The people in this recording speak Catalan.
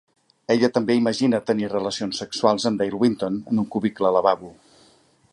Ella també imagina tenir relacions sexuals amb Dale Winton en un cubicle lavabo.